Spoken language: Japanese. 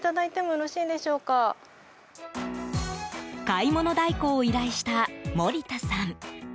買い物代行を依頼した森田さん。